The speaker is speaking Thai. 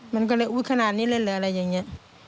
มันก็เลยอุ๊ยขนาดนี้เลยเหรออะไรอย่างนี้